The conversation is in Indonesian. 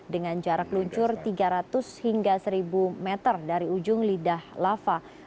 dengan jarak luncur tiga ratus hingga seribu meter dari ujung lidah lava